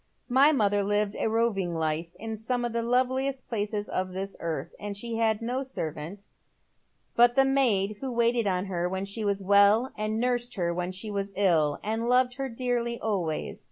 My mother lived a roving life in some of the loveliest places of this earth, ind had no servant but the maid who waited on her when she was well and nursed her when she was ill, and loved her dearly always.